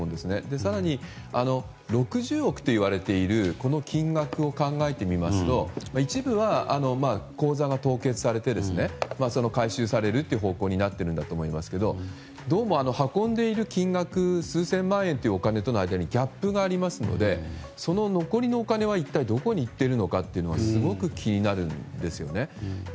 更に、６０億といわれているこの金額を考えてみますと一部は口座が凍結されて回収される方向になってるんだと思いますけどどうも、運んでいる金額数千万円というお金の間にギャップがありますのでその残りのお金は一体どこに行っているのかというのはすごく気になるんですよね。